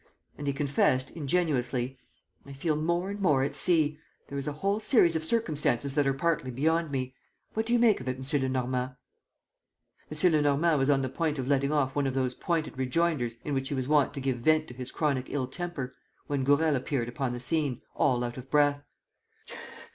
..." And he confessed, ingenuously, "I feel more and more at sea. ... There is a whole series of circumstances that are partly beyond me. What do you make of it, M. Lenormand?" M. Lenormand was on the point of letting off one of those pointed rejoinders in which he was wont to give vent to his chronic ill temper, when Gourel appeared upon the scene, all out of breath.